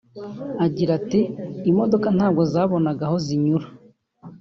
Agira ati “Imodoka ntabwo zabonaga aho zinyura